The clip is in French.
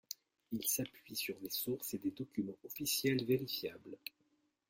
Il s'appuie sur des sources et des documents officiels vérifiables.